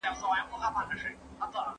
احتیاط کول د سړي لپاره اړین دي.